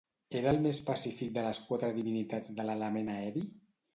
Era el més pacífic de les quatre divinitats de l'element aeri?